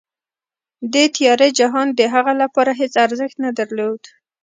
دې تیاره جهان د هغه لپاره هېڅ ارزښت نه درلود